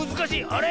あれ？